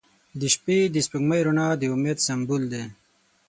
• د شپې د سپوږمۍ رڼا د امید سمبول دی.